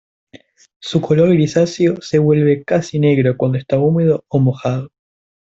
Su color grisáceo se vuelve casi negro cuando está húmedo o mojado.